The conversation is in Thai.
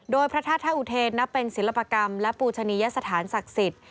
โดยพระธาตุท่าอุเทนนับเป็นศิลปกรรมและปูชนียสถานศักดิ์สิทธิ์